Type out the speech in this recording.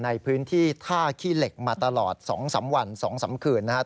ในพื้นที่ท่าขี้เหล็กมาตลอด๒๓วัน๒๓คืนนะครับ